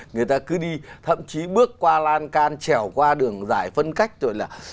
người ta cứ đi thậm chí bước qua lan can chèo qua đường dài phân cách rồi là